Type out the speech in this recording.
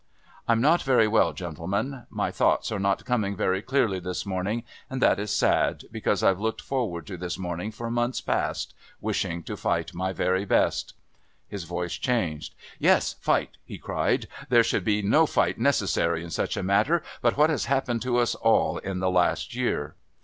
"I'm not very well, gentlemen; my thoughts are not coming very clearly this morning, and that is sad, because I've looked forward to this morning for months past, wishing to fight my very best...." His voice changed. "Yes, fight!" he cried. "There should be no fight necessary in such a matter. But what has happened to us all in the last year?